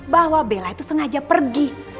bahwa bella itu sengaja pergi